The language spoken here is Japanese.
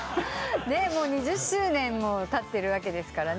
２０周年もたってるわけですからね。